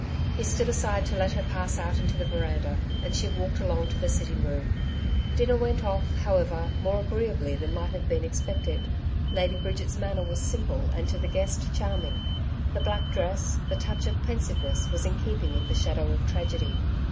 He stood aside to let her pass out into the veranda, and she walked along to the sitting room. Dinner went off, however, more agreeably than might have been expected. Lady Bridget's manner was simple and to the guest charming. The black dress, the touch of pensiveness was in keeping with the shadow of tragedy.